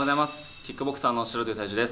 キックボクサーの白鳥大珠です。